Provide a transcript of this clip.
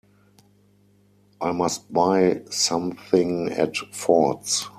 I must buy something at Ford's.